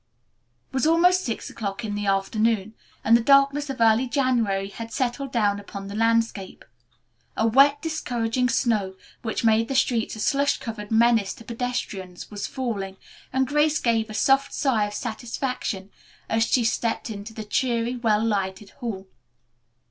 It was almost six o'clock in the afternoon, and the darkness of early January had settled down upon the landscape. A wet, discouraging snow, which made the streets a slush covered menace to pedestrians, was falling, and Grace gave a soft sigh of satisfaction as she stepped into the cheery, well lighted hall.